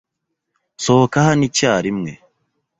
Sohoka hano icyarimwe.